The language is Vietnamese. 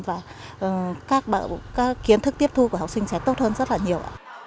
và các kiến thức tiết thu của học sinh sẽ tốt hơn rất là nhiều